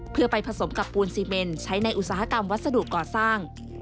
เพื่อไปผสมกับปูนซีเมนใช้ในอุตสาหกรรมวัสดุก่อสร้าง